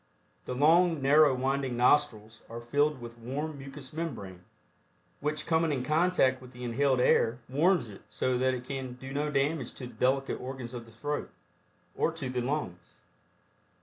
The long narrow winding nostrils are filled with warm mucous membrane, which coming in contact with the inhaled air Warms it so that it can do no damage to the delicate organs of the throat, or to the lungs.